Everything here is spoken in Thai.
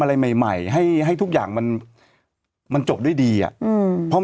อะไรใหม่ใหม่ให้ให้ทุกอย่างมันมันจบด้วยดีอ่ะอืมเพราะ